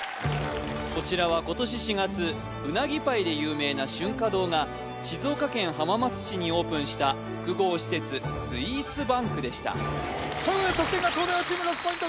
こちらは今年４月うなぎパイで有名な春華堂が静岡県浜松市にオープンした複合施設ＳＷＥＥＴＳＢＡＮＫでしたというわけで得点が東大王チーム６ポイント